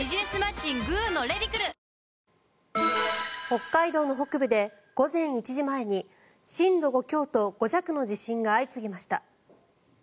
北海道の北部で午前１時前に震度５強と５弱の地震が相次ぎました。